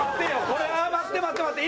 これは待って待って待って！